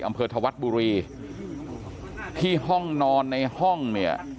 อำเภอธวัฒน์บุรีที่ห้องนอนในห้องเนี่ย